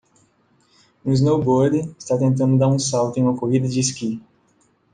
Um snowboarder está tentando dar um salto em uma corrida de esqui